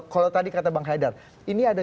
kalau tadi kata bang haidar ini ada